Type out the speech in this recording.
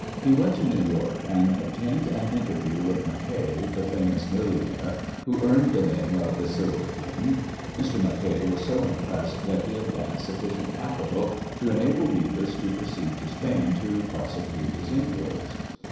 He went to New York, and obtained an interview with Mackay, the famous millionaire, who earned the name of "The Silver King." Mr. Mackay was so impressed that he advanced sufficient capital to enable Beavis to proceed to Spain to prosecute his inquiries.